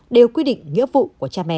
đều quy định nghĩa vụ của cha mẹ